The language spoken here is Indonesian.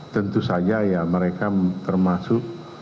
tentu saja ya mereka termasuk